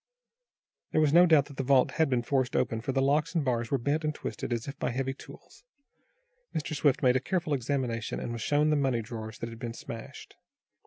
There was no doubt that the vault had been forced open, for the locks and bars were bent and twisted as if by heavy tools. Mr. Swift made a careful examination, and was shown the money drawers that had been smashed.